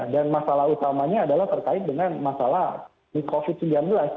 dan masalah utamanya adalah terkait dengan masalah covid sembilan belas